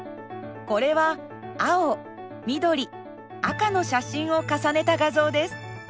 これは青緑赤の写真を重ねた画像です。